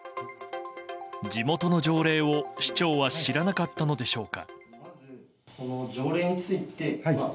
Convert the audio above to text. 地元の条例を市長は知らなかったのでしょうか。